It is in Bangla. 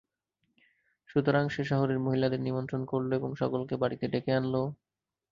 সুতরাং সে শহরের মহিলাদের নিমন্ত্রণ করল এবং সকলকে বাড়িতে ডেকে আনল।